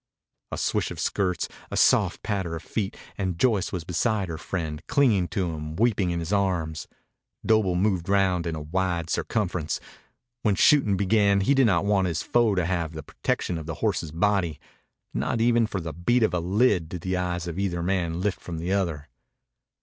A swish of skirts, a soft patter of feet, and Joyce was beside her friend, clinging to him, weeping in his arms. Doble moved round in a wide circumference. When shooting began he did not want his foe to have the protection of the horse's body. Not even for the beat of a lid did the eyes of either man lift from the other.